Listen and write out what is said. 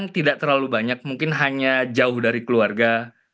tidak terlalu banyak mungkin hanya jauh dari keluarga